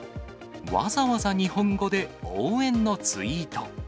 わざわざ日本語で応援のツイート。